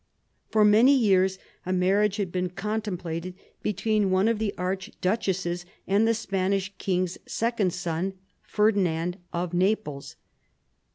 For many years a marriage had been contemplated between one of the archduchesses and the Spanish king's second son, Ferdinand of Naples.